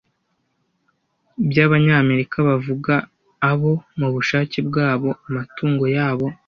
by'Abanyamerika bavuga abo mubushake bwabo Amatungo yabo